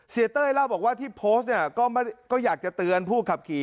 เต้ยเล่าบอกว่าที่โพสต์เนี่ยก็อยากจะเตือนผู้ขับขี่